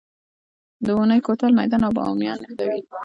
د اونی کوتل میدان او بامیان نښلوي